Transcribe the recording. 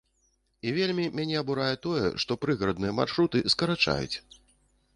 І вельмі мяне абурае тое, што прыгарадныя маршруты скарачаюць.